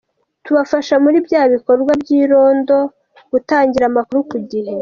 , tubafasha muri bya bikorwa by’irondo, gutangira amakuru ku gihe.